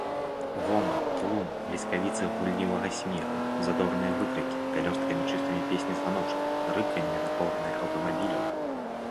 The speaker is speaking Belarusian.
Гоман, тлум, бліскавіцы гуллівага смеху, задорныя выкрыкі, пялёсткамі чыстымі песні званочкаў, рыканне напорнае аўтамабіляў.